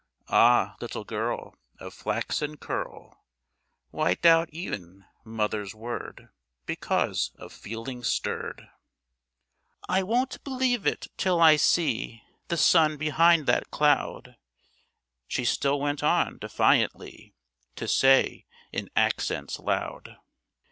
Ah, little girl Of flaxen curl, Why doubt e'en mother's word, Because of feelings stirred? "I won't believe it till I see The sun behind that cloud," She still went on, defiantly, To say in accents loud.